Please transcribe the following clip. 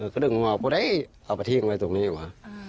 กระดึกหัวพูดเฮ้ยเอาไปทิ้งไว้ตรงนี้ว่ะ